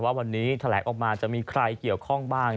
ว่าวันนี้แถลงออกมาจะมีใครเกี่ยวข้องบ้าง